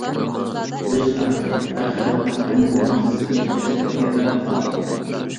ئۆز خەلقى ۋە خەلقىنىڭ ھەممىلا نەرسىسىنى پەس كۆرگەنلەر خائىن.